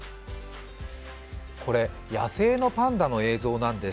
野生のパンダの映像なんです。